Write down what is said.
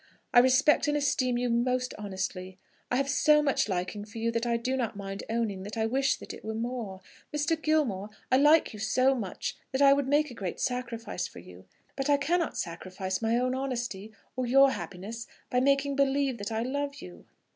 I respect and esteem you most honestly. I have so much liking for you that I do not mind owning that I wish that it were more. Mr. Gilmore, I like you so much that I would make a great sacrifice for you; but I cannot sacrifice my own honesty or your happiness by making believe that I love you."